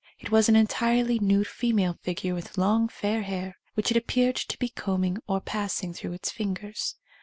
It was an entirely nude female figure with long fair hair, which it appeared to be combing or passing through its fingers.